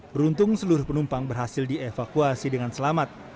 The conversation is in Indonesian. beruntung seluruh penumpang berhasil dievakuasi dengan selamat